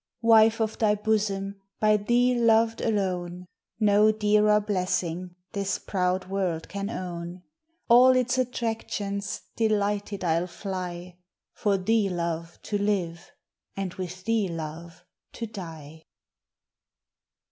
Wife of thy bosom, By thee loved alone, No dearer blessing This proud world can own: All its attractions Delighted I'll fly, For thee love, to live, And with thee love to die!